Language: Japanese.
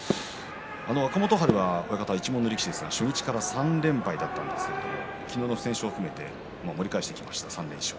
若元春は親方、一門の力士ですが初日から３連敗だったんですが昨日の不戦勝を含めて盛り返してきました。